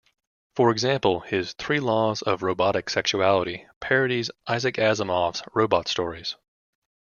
For example, his "Three Laws of Robotic Sexuality" parodies Isaac Asimov's robot stories.